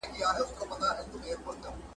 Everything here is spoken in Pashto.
په پخوا کي یو ښکاري وو له ښکاریانو !.